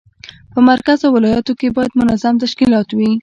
په مرکز او ولایاتو کې باید منظم تشکیلات وي.